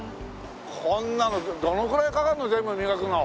こんなのどのぐらいかかるの？